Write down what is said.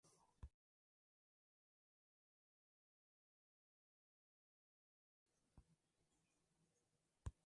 Odehrává za druhé světové války.